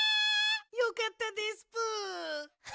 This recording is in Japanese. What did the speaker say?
よかったですぷ！